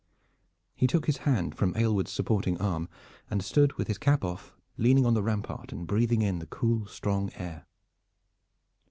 He took his hand from Aylward's supporting arm and stood with his cap off, leaning on the rampart and breathing in the cool strong air.